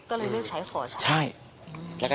ดีเลยเลือกใช้ขอช้าง